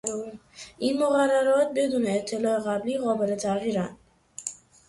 این مقررات بدون اطلاع قبلی قابل تغییرند.